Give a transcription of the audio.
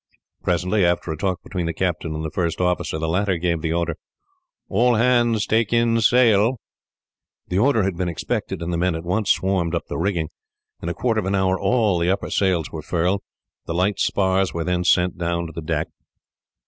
Presently, after a talk between the captain and the first officer, the latter gave the order, "All hands take in sail." The order had been expected, and the men at once swarmed up the rigging. In a quarter of an hour all the upper sails were furled. The light spars were then sent down to the deck.